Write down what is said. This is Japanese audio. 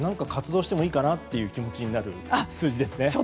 活動してもいいかなという気になる数字ですね。